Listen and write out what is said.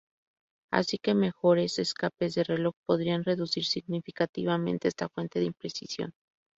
Así que mejores escapes de reloj podrían reducir significativamente esta fuente de imprecisión.